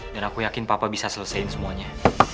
dan aku yakin papa bisa selesain semuanya